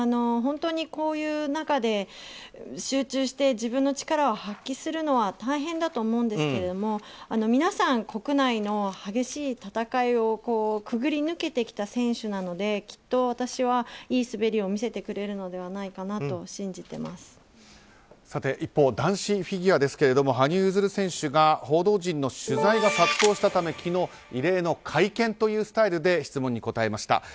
本当にこういう中で集中して自分の力を発揮するのは大変だと思うんですけれども皆さん、国内の激しい戦いを潜り抜けてきた選手なのできっと私はいい滑りを見せてくれるのではないかと一方、男子フィギュアですけど羽生結弦選手が報道陣の取材が殺到したため昨日、異例の会見というスタイルで質問に答えました。